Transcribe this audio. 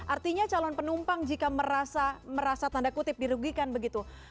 artinya calon penumpang jika merasa tanda kutip dirugikan begitu